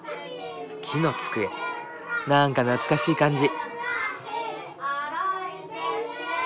木の机何か懐かしい感じ。